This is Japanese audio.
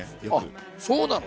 そうなの？